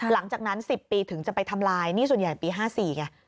หลังจากนั้น๑๐ปีถึงจะไปทำลายนี่ส่วนใหญ่ปี๕๔ไง